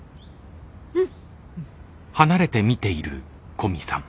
うん。